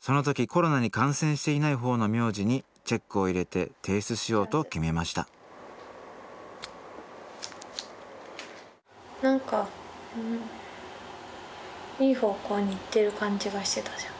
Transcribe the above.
その時コロナに感染していない方の名字にチェックを入れて提出しようと決めましたなんかいい方向に行ってる感じがしてたじゃん。